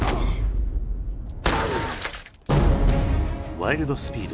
「ワイルド・スピード」。